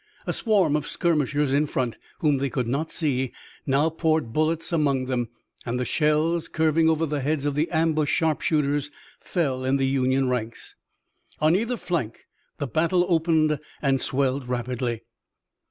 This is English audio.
A swarm of skirmishers in front whom they could not see now poured bullets among them, and the shells, curving over the heads of the ambushed sharpshooters, fell in the Union ranks. On either flank the battle opened and swelled rapidly.